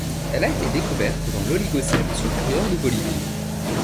Elle a été découverte dans l'Oligocène supérieur de Bolivie.